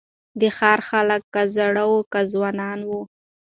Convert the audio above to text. د ښار خلک که زاړه وه که ځوانان وه